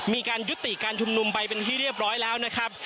มีการยุติการชุมนุมไปเป็นที่เรียบร้อยแล้วนะครับ